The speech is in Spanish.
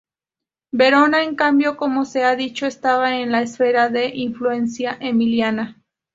Verona en cambio, como se ha dicho, estaba en la esfera de influencia emiliana.